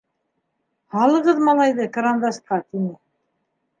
- Һалығыҙ малайҙы кырандасҡа, - тине.